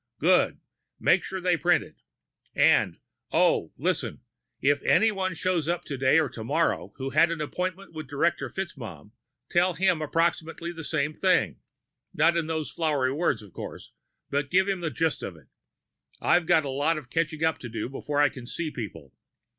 "Good. Make sure they print it. And oh, listen. If anyone shows up today or tomorrow who had an appointment with Director FitzMaugham, tell him approximately the same thing. Not in those flowery words, of course, but give him the gist of it. I've got a lot of catching up to do before I can see people."